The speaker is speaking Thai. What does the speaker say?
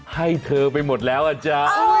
ให้เธอไปหมดแล้วอ่ะจ๊ะ